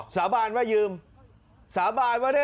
สาบานว่าเร